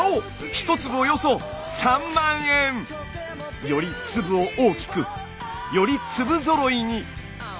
１粒およそ３万円！より粒を大きくより粒ぞろいに。